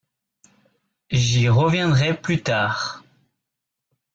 J’y reviendrai plus tard.